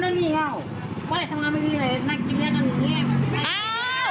แต่คุณล่ะนี่เงาให้ทำงานไม่มีอะไรเนื้อไหมเจ้ากินแหละหรออ๋อ